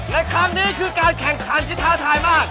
และครั้งนี้คือการแข่งขันที่ท้าทายมาก